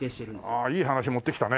ああいい話持ってきたね。